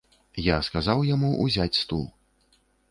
Я сказаў яму ўзяць стул.